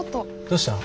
どうした？